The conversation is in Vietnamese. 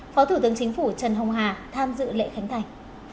phó thủ tướng chính phủ trần hồng hà tham dự lễ khánh thành